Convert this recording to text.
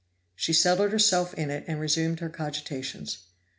She settled herself in it and resumed her cogitations.